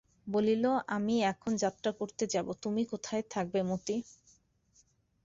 বলিল, আমি এখন যাত্রা করতে যাব, তুমি কোথায় থাকবে মতি?